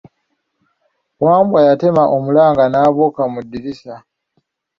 Wambwa yattema omulanga n'abuuka mu ddirisa.